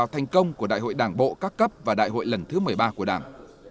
thành công của đại hội đảng bộ các cấp và đại hội lần thứ một mươi ba của đảng